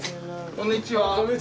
こんにちは。